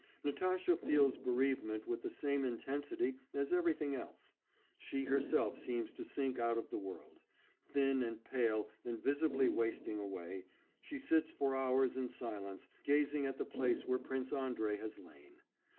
Natasha feels bereavement with the same intensity as everything else; she herself seems to sink out of the world; thin and pale and visibly wasting away, she sits for hours in silence, gazing at the place where Prince Andrei has lain.